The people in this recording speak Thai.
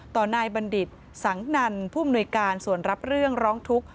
นายบัณฑิตสังนันผู้อำนวยการส่วนรับเรื่องร้องทุกข์